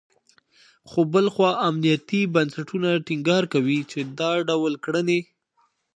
خو بل خوا امنیتي بنسټونه ټینګار کوي، چې دا ډول کړنې …